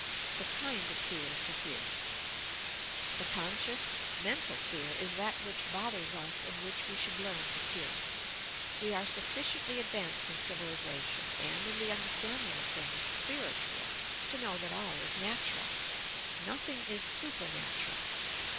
THE KIND OP PE.*H TO PEAB The conscious, mental fear i.i that which bothers ub and which we should learn to cure. We are sufBciently advanced in civilization and in the understanding of things spiritual to know that all is natural. Nothing ia supernatural.